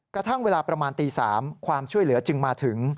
กระทั่งเวลาประมาณตี๓ความช่วยเหลือจึงมาถึง